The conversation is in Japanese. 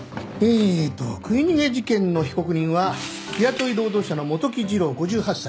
えーっと食い逃げ事件の被告人は日雇い労働者の元木次郎５８歳。